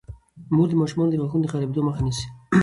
مور د ماشومانو د غاښونو د خرابیدو مخه نیسي.